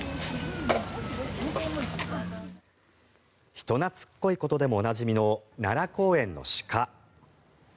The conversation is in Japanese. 人懐っこいことでもおなじみの奈良公園の鹿。